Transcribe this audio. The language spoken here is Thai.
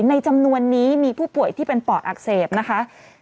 จำนวนนี้มีผู้ป่วยที่เป็นปอดอักเสบนะคะ